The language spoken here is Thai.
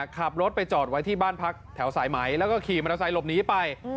ขับรถไปจอดไว้ที่บ้านพักแถวสายไหมแล้วก็ขี่มอเตอร์ไซค์หลบหนีไป